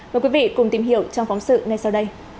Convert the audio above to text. mời quý vị cùng tìm hiểu trong phóng sự ngay sau đây